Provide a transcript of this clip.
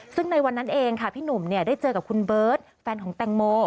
ซึ่งในวันนั้นเองค่ะพี่หนุ่มได้เจอกับคุณเบิร์ตแฟนของแตงโม